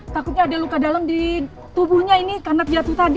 takutnya ada luka dalam di tubuhnya ini karena jatuh tadi